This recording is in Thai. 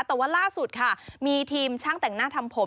แต่ว่าล่าสุดค่ะมีทีมช่างแต่งหน้าทำผม